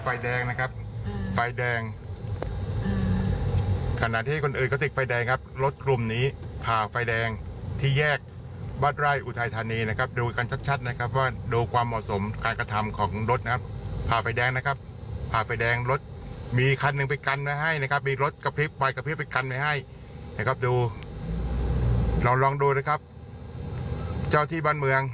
ไฟแดงนะครับไฟแดงขณะที่คนอื่นก็ติดไฟแดงครับรถกลุ่มนี้ผ่าไฟแดงที่แยกบ้านไร่อุทัยธานีนะครับดูกันชัดชัดนะครับว่าดูความเหมาะสมการกระทำของรถนะครับผ่าไฟแดงนะครับผ่าไฟแดงรถมีคันหนึ่งไปกันไว้ให้นะครับมีรถกระพริบไฟกระพริบไปกันไว้ให้นะครับดูเราลองดูนะครับเจ้าที่บ้านเมือง